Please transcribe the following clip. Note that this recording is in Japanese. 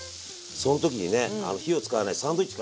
その時にね火を使わないサンドイッチからデビューしました。